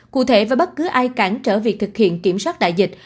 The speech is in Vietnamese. cụ thể với bất cứ ai cản trở việc thực hiện kiểm soát đại dịch